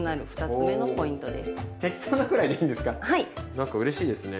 なんかうれしいですね。